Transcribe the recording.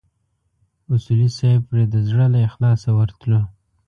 اصولي صیب پرې د زړه له اخلاصه ورتلو.